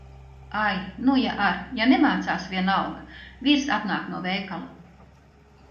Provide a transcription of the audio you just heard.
Ai, nu ja ar’ ja nemācās, vienalga. Vīrs atnāk no veikala.